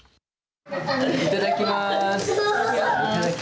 いただきます。